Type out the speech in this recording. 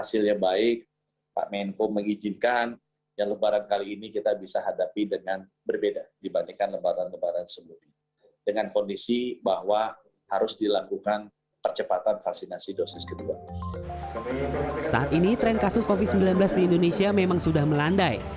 saat ini tren kasus covid sembilan belas di indonesia memang sudah melandai